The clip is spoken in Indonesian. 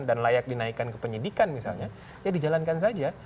dan layak dinaikkan ke penyidikan misalnya ya dijalankan saja